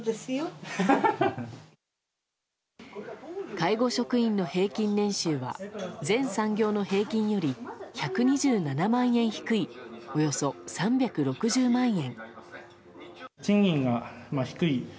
介護職員の平均年収は全産業の平均より１２７万円低いおよそ３６０万円。